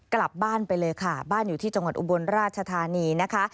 กลับบ้านไปเลยค่ะบ้านอยู่ที่จังหวัดอุบลราชธานีนะคะ